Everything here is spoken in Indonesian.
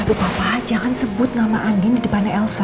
aduh papa jangan sebut nama andin di depan elsa